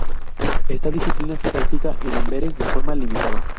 Esta disciplina se practica en Amberes de forma limitada.